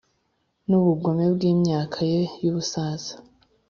nubugome bwimyaka ye y'ubusaza.